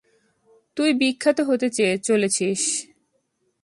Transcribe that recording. তুই বিখ্যাত হতে চলেছিস!